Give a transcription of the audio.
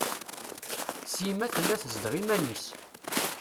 Sima tella tezdeɣ iman-is.